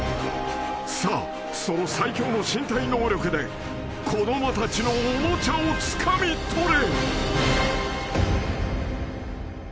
［さあその最強の身体能力で子供たちのおもちゃをつかみとれ］